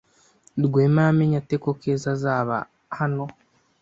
Rwema yamenye ate ko Keza azaba hano?